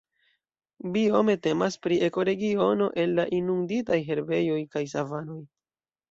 Biome temas pri ekoregiono el la inunditaj herbejoj kaj savanoj.